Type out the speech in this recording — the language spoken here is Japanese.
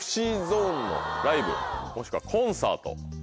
ＳｅｘｙＺｏｎｅのライブもしくはコンサート。